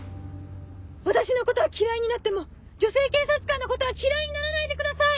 私のことは嫌いになっても女性警察官のことは嫌いにならないでください！